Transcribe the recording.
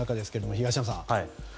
東山さん。